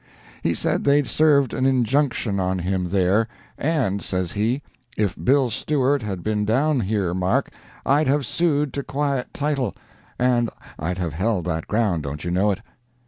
He said they served an injunction on him there, "and," says he, "if Bill Stewart had been down here, Mark, I'd have sued to quiet title, and I'd have held that ground, don't you know it?"